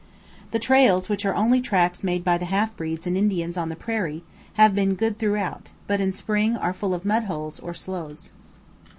The trails, which are only tracks made by the half breeds and Indians on the prairie, have been good throughout, but in spring are full of mud holes or sloughs.